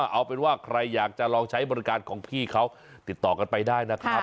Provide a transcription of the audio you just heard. เอาเป็นว่าใครอยากจะลองใช้บริการของพี่เขาติดต่อกันไปได้นะครับ